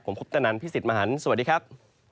ผมคุปตนันพี่สิทธิ์มหันฯสวัสดีครับ